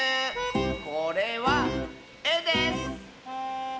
これは「え」です！